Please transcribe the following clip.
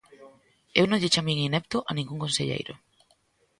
Eu non lle chamei inepto a ningún conselleiro.